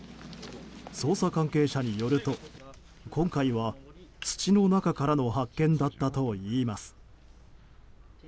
捜査関係者によると今回は土の中からの発見だったといいます。